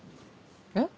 えっ？